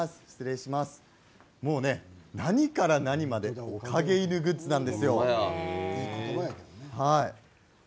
何から何までおかげ犬グッズなんですよ。